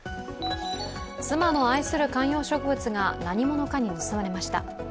妻の愛する観葉植物が何者かに盗まれました。